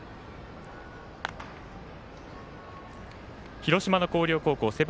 広島の広陵高校。